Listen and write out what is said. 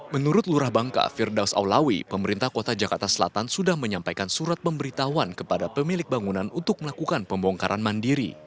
menurut lurah bangka firdaus aulawi pemerintah kota jakarta selatan sudah menyampaikan surat pemberitahuan kepada pemilik bangunan untuk melakukan pembongkaran mandiri